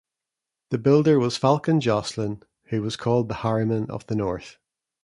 The builder was Falcon Joslin who was called the "Harriman of the North".